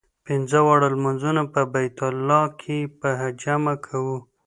پنځه واړه لمونځونه په بیت الله کې په جمع کوو.